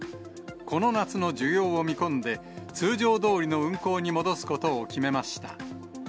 この夏の需要を見込んで、通常どおりの運航に戻すことを決めました。